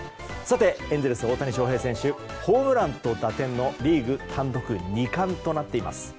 エンゼルス、大谷翔平選手ホームランと打点のリーグ単独２冠となっています。